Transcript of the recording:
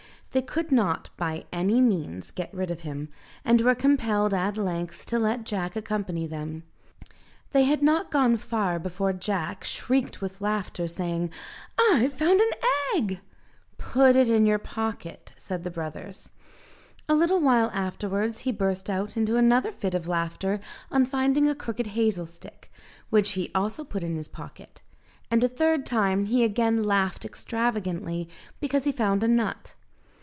They could not, by any means, get rid of him, and were compelled at length to let Jack accompany them. They had not gone far, before Jack shrieked with laughter, saying, "I've found an egg." "Put it in your pocket," said the brothers. A little while afterwards, he burst out into another fit of laughter on finding a crooked hazel stick, which he also put in his pocket; and a third time he again laughed extravagantly because he found a nut.